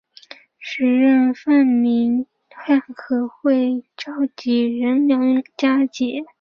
时任泛民饭盒会召集人梁家杰与多名民主派议员前往支援。